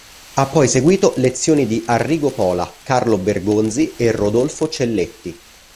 Ha poi seguito lezioni di Arrigo Pola, Carlo Bergonzi e Rodolfo Celletti.